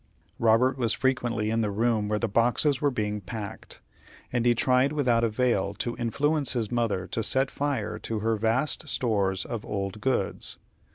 Robert was frequently in the room where the boxes were being packed, and he tried without avail to influence his mother to set fire to her vast stores of old goods.